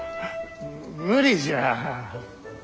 無理じゃ。